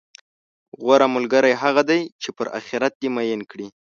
غوره ملګری هغه دی، چې پر اخرت دې میین کړي،